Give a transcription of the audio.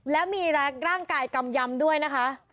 แล้วมีร่างกายกำยำด้วยนะคะ